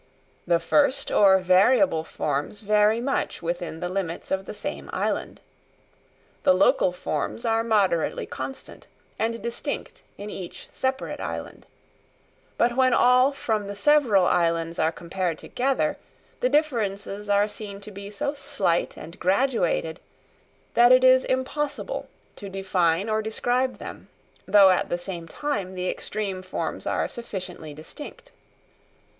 The first or variable forms vary much within the limits of the same island. The local forms are moderately constant and distinct in each separate island; but when all from the several islands are compared together, the differences are seen to be so slight and graduated that it is impossible to define or describe them, though at the same time the extreme forms are sufficiently distinct.